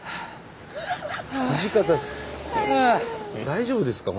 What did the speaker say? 大丈夫ですか？